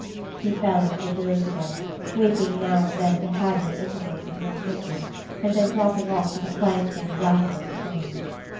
He fell into a doze again, waking now and then to haggard intervals of more thinking, and then dropping off to the clank and rattle of the train.